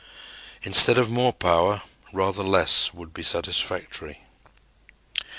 Instead of more power, rather less would be satisfactory.